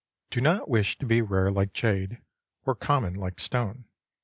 Do not wish to be rare like jade, or common like stone.